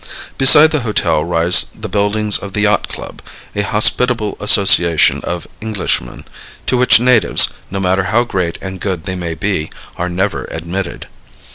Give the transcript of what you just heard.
Beside the hotel rise the buildings of the yacht club, a hospitable association of Englishmen, to which natives, no matter how great and good they may be, are never admitted.